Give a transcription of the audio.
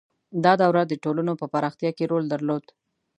• دا دوره د ټولنو په پراختیا کې رول درلود.